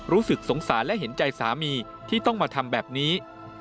รู้สึกสงสารและเห็นใจสามีที่ต้องมาทำแบบนี้